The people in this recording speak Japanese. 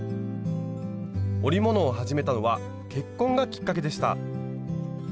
織物を始めたのは結婚がきっかけでした。